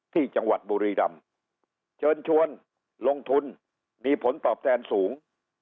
ที่จังหวัดบุรีรำเชิญชวนลงทุนมีผลตอบแทนสูง